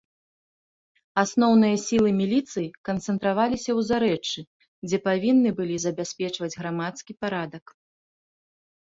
Асноўныя сілы міліцыі канцэнтраваліся ў зарэччы, дзе павінны былі забяспечваць грамадскі парадак.